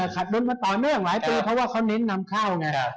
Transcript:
ขาดดุ้มมาต่อแม่งหลายปีเพราะว่าเขานิ้นนำเข้าไง